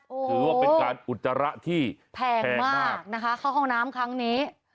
ถือว่าเป็นการอุจจาระที่แพงมากนะคะเข้าห้องน้ำครั้งนี้